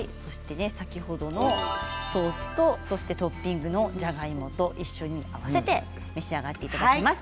先ほどのソースとトッピングのじゃがいもと合わせて召し上がっていただきます。